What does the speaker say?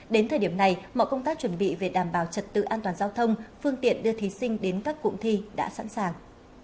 đến thời điểm này mọi công tác chuẩn bị về đảm bảo trật tự an toàn giao thông phương tiện đưa thí sinh đến các cụm thi đã sẵn sàng